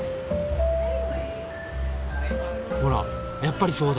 ほらやっぱりそうだ！